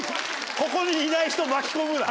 ここにいない人巻き込むな。